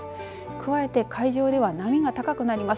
加えて海上では波が高くなります。